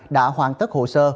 đã hoàn tất hồ sơ